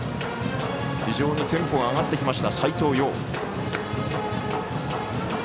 非常にテンポの上がってきた斎藤蓉。